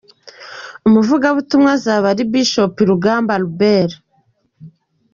Umuvugabutumwa azaba ari Bishop Rugamba Albert.